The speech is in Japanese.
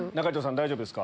大丈夫ですか？